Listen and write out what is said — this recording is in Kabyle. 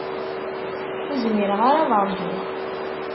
Ur zmireɣ ara ad ṛjuɣ.